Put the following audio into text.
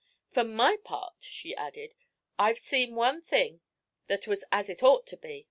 For my part,' she added, 'I've seen one thing that was as it ort to be.